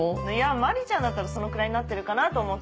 真里ちゃんだったらそのくらいになってるかなと思った。